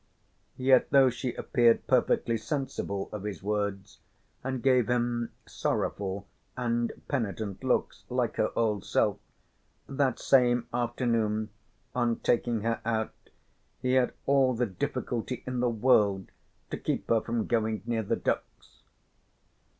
Yet though she appeared perfectly sensible of his words and gave him sorrowful and penitent looks like her old self, that same afternoon, on taking her out, he had all the difficulty in the world to keep her from going near the ducks.